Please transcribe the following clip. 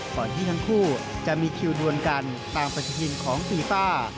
ก่อนที่ทั้งคู่จะมีคิวดวนกันตามปฏิทินของฟีฟ่า